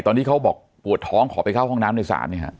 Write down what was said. ตอนที่เขาบอกปวดท้องขอไปเข้าห้องน้ำในศาลเนี่ยฮะ